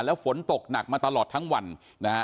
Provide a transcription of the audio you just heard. ฝนตกหนักมาตลอดทั้งวันนะฮะ